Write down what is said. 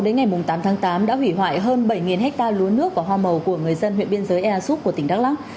đến ngày tám tháng tám đã hủy hoại hơn bảy hectare lúa nước và hoa màu của người dân huyện biên giới ea súp của tỉnh đắk lắc